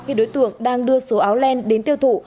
khi đối tượng đang đưa số áo len đến tiêu thụ